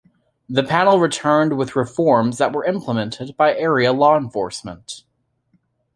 The panel returned with reforms that were implemented by area law enforcement.